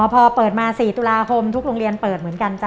พอเปิดมา๔ตุลาคมทุกโรงเรียนเปิดเหมือนกันจ้